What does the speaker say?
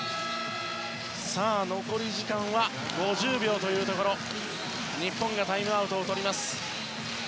残り時間５０秒というところで日本がタイムアウトを取ります。